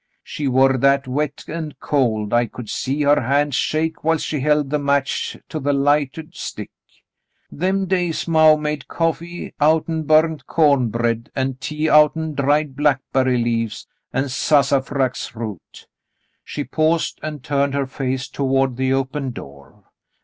She war that wet an' cold I could see her hand shake whilst she held the match to the light'ud stick. Them days maw made coffee out'n burnt corn bread, an' tea out'n dried blackberry leaves an' sassa frax root." She paused and turned her face toward the open door.